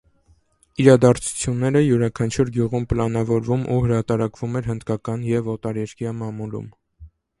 Իրադարձությունները յուրաքանչյուր գյուղում պլանավորվում ու հրատարակվում էր հնդկական և օտաերկրյա մամուլում։